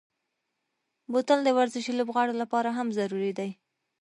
بوتل د ورزشي لوبغاړو لپاره هم ضروري دی.